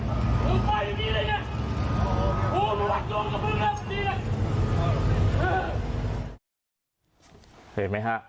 โคตรขาดไปตำรังไม่พอไอ้มึงปลายอย่างนี้เลยไงโคตรลักษณ์ก็ไม่รับดีล่ะ